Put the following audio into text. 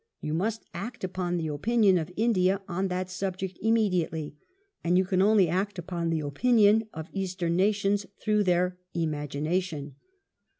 You must act upon the opinion of India on that subject immediately, and you can only act upon the opinion of Eastern nations through their imagination."